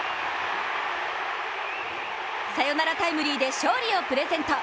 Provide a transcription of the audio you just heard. サヨナラタイムリーで勝利をプレゼント。